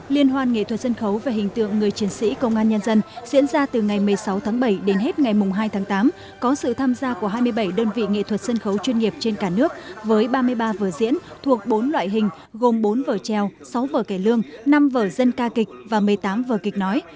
liên hoan nghệ thuật sân khấu về hình tượng người chiến sĩ công an nhân dân diễn ra từ ngày một mươi sáu tháng bảy đến hết ngày hai tháng tám có sự tham gia của hai mươi bảy đơn vị nghệ thuật sân khấu chuyên nghiệp trên cả nước với ba mươi ba vở diễn thuộc bốn loại hình gồm bốn vở treo sáu vở cải lương năm vở dân ca kịch và một mươi tám vở kịch nói